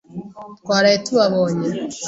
Twaraye tubabonye.